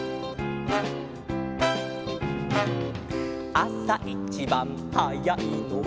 「あさいちばんはやいのは」